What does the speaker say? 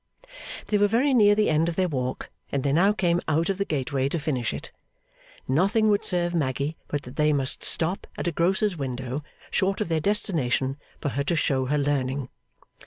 They were very near the end of their walk, and they now came out of the gateway to finish it. Nothing would serve Maggy but that they must stop at a grocer's window, short of their destination, for her to show her learning.